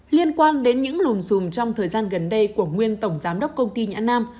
liên quan đến những lùm xùm trong thời gian gần đây của nguyên tổng giám đốc công ty nhãn nam